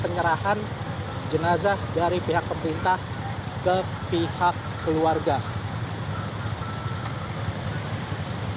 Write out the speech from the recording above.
penyerahan jenazah dari pihak pemerintah ke pihak keluarga